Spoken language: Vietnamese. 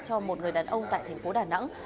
cho một người đàn ông tại thành phố đà nẵng